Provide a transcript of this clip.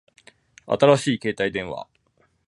新しい携帯電話